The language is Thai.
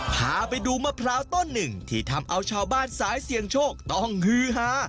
พาไปดูมะพร้าวต้นหนึ่งที่ทำเอาชาวบ้านสายเสี่ยงโชคต้องฮือฮา